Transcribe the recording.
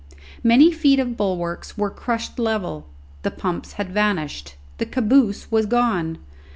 Many feet of bulwarks were crushed level; the pumps had vanished; the caboose was gone!